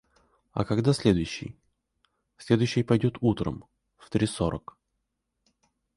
– А когда следующий? – Следующий пойдет утром, в три сорок.